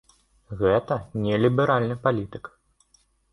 Гэта не ліберальны палітык.